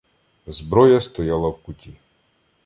Зброя стояла в куті.